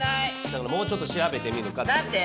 だからもうちょっと調べてみるかって。なんて？